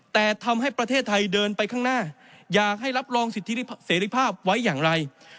แต่ทำให้ประเทศไทยเดินไปข้างหน้าอยากให้รับรองสิทธิเสรีภาพไว้อย่างไร